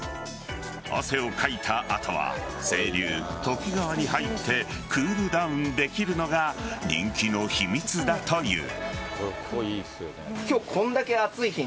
汗をかいた後は清流・都幾川に入ってクールダウンできるのが人気の秘密だという。